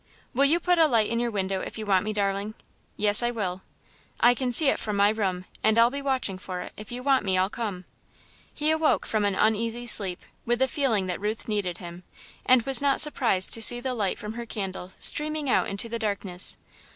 "Will you put a light in your window if you want me, darling?" "Yes, I will." "I can see it from my room, and I'll be watching for it. If you want me, I'll come." He awoke from an uneasy sleep with the feeling that Ruth needed him, and was not surprised to see the light from her candle streaming out into the darkness.